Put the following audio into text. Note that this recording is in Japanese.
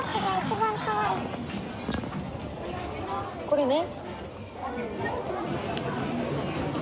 これね。